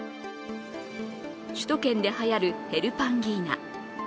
首都圏ではやる、ヘルパンギーナ。